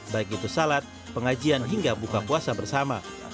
baik itu salat pengajian hingga buka puasa bersama